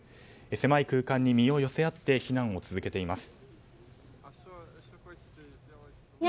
狭い空間に身を寄せ合って避難を続けています。